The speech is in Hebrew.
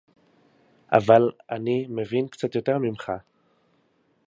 אבל אני מבין קצת יותר ממך